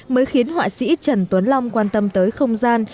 mới khiến họa sĩ trần tuấn long quan tâm tới không gian